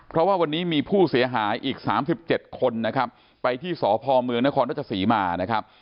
เพราะว่าวันนี้มีผู้เสียหายอีกสามสิบเจ็ดคนนะครับไปที่สมณครรภ์ต้นทศศรีมานะครับ